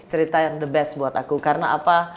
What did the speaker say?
cerita yang the best buat aku karena apa